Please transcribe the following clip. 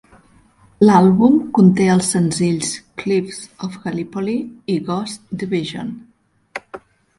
L'àlbum conté els senzills "Cliffs of Gallipoli" i "Ghost Division".